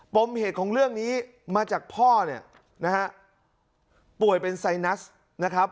มเหตุของเรื่องนี้มาจากพ่อเนี่ยนะฮะป่วยเป็นไซนัสนะครับ